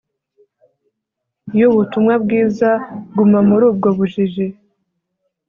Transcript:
y'ubutumwa bwiza, guma muri ubwo bujiji